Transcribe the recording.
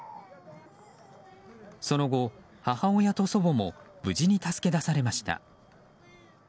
その後、母親と祖母も無事に助け出されました。